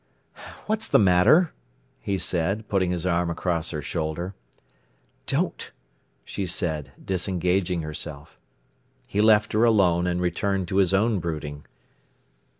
"What's the matter?" he said, putting his arm across her shoulder. "Don't!" she said, disengaging herself. He left her alone, and returned to his own brooding.